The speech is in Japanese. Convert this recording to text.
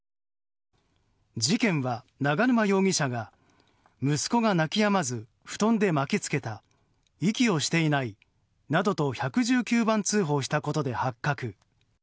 事件は、永沼容疑者が息子が泣きやまず布団で巻きつけた息をしていないなどと１１９番通報したことで発覚。